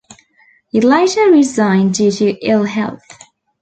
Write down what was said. He later resigned due to ill health.